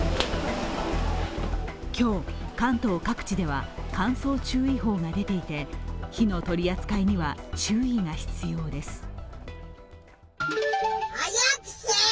今日、関東各地では乾燥注意報が出ていて、火の取り扱いには注意が必要です。